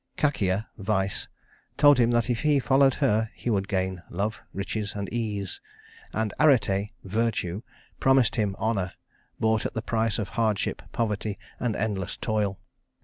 Kakia (Vice) told him that if he followed her, he would gain love, riches, and ease; and Arete (Virtue) promised him honor, bought at the price of hardship, poverty, and endless toil.